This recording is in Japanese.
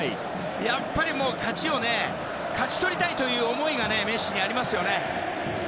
やっぱり勝ちを勝ち取りたいという思いがメッシにありますよね。